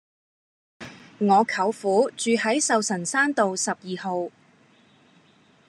我舅父住喺壽臣山道十二號